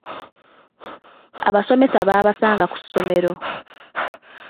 Abasomesa babasanga ku ssomero.